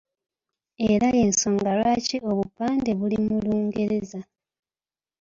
Era y'ensonga lwaki obupande buli mu Lungereza.